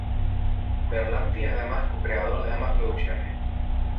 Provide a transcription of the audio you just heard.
Berlanti es además cocreador de ambas producciones.